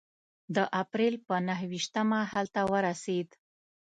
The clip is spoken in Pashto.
د اپرېل په نهه ویشتمه هلته ورسېد.